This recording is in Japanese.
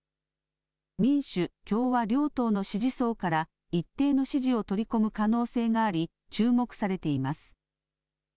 民主、共和両党の支持層から一定の支持を取り込む可能性があり、注目されています。